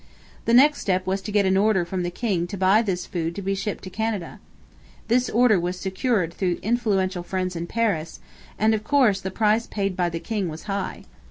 The next step was to get an order from the king to buy this food to be shipped to Canada. This order was secured through influential friends in Paris, and, of course, the price paid by the king was high.